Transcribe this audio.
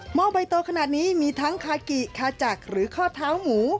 อกใบโตขนาดนี้มีทั้งคากิคาจักรหรือข้อเท้าหมู